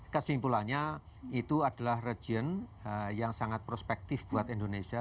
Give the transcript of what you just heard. kesimpulannya itu adalah region yang sangat prospektif buat indonesia